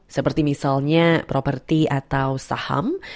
seperti misalnya properti atau saham